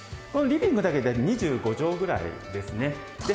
リビングだけで２５畳ぐらいですね。